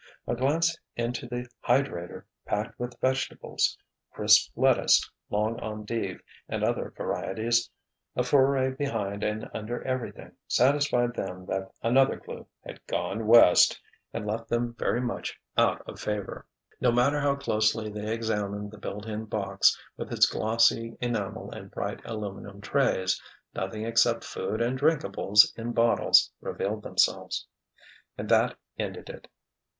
A glance into the "hydrator" packed with vegetables, crisp lettuce, long endive, and other varieties, a foray behind and under everything satisfied them that another clue had "gone West"—and left them very much out of favor. No matter how closely they examined the built in box, with its glossy enamel and bright, aluminum trays, nothing except food and drinkables in bottles revealed themselves. And that ended it!